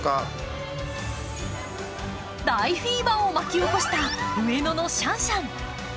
大フィーバーを巻き起こした上野のシャンシャン。